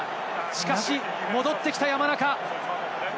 しかし戻ってきた山中。